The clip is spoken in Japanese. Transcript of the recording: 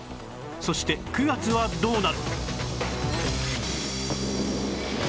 そして９月はどうなる？